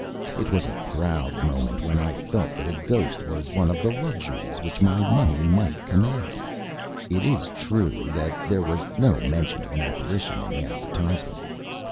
It was a proud moment when I felt that a ghost was one of the luxuries which my money might command. It is true that there was no mention of an apparition in the advertisement.